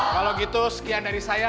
kalau gitu sekian dari saya